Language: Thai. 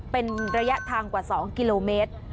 เป็นระยะทางกว่า๒กิโลเมตร